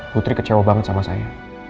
putri kecewa banget sama saya